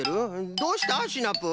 どうしたシナプー？